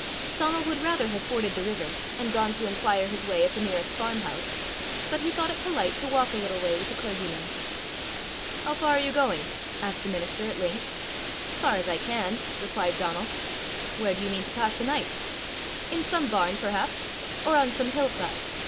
Donal would rather have forded the river, and gone to inquire his way at the nearest farm house, but he thought it polite to walk a little way with the clergyman. "How far are you going?" asked the minister at length. "As far as I can," replied Donal. "Where do you mean to pass the night?" "In some barn perhaps, or on some hill side."